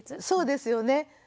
そうですよね。